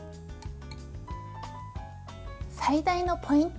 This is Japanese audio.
最大のポイント